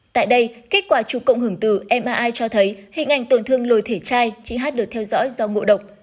tại đây kết quả chụp cộng hưởng từ mri cho thấy hình ảnh tổn thương lồi thể trai chị hát được theo dõi do ngộ độc